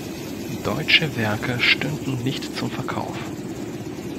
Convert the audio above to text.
Deutsche Werke stünden nicht zum Verkauf.